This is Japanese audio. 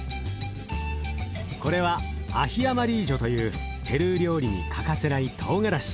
これはアヒ・アマリージョというペルー料理に欠かせないトウガラシ。